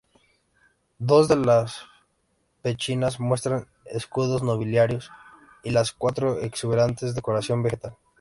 Dos de las pechinas muestran escudos nobiliarios, y las cuatro, exuberante decoración vegetal.